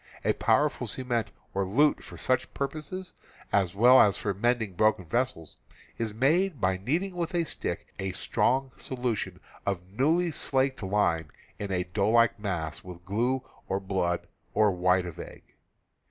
A powerful cement or lute for such purpose, as well as for mending broken vessels, is made by kneading with a stick a strong solution of newly slaked lime into a doughlike mass with glue or blood or white of egg.